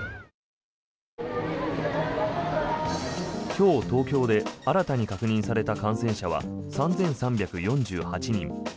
今日、東京で新たに確認された感染者は３３４８人。